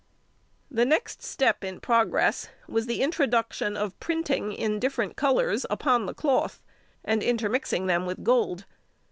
The next step in progress was the introduction of printing in different colours upon the cloth, and intermixing them with gold.